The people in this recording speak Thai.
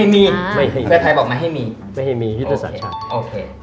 ไม่ให้มีพี่ตัวสรรค์